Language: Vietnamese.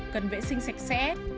cần vệ sinh sạch sạch